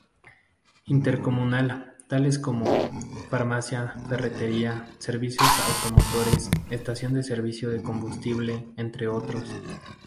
Intercomunal, tales como: farmacia, ferretería, servicios automotores, estación de servicio de combustible, entre otros.